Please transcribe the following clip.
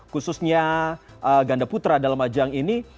khususnya ganda putra dalam ajang ini